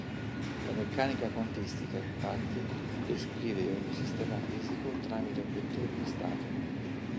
La meccanica quantistica, infatti, descrive ogni sistema fisico tramite un vettore di stato.